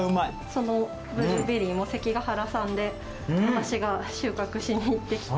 そのブルーベリーも関ケ原産で私が収穫しにいってきて。